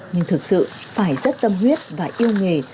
nhưng thực sự phải rất tâm huyết và yêu nghề